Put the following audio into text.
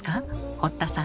堀田さん。